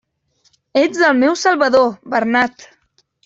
Ets el meu salvador, Bernat!